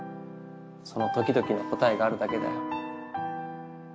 その時々の答えがあるだけだよ。